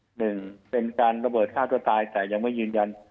หนึ่งเป็นการระเบิดฆ่าตัวตายแต่ยังไม่ยืนยัน